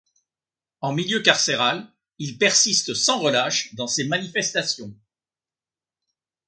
En milieu carcéral, il persiste sans relâche dans ses manifestations.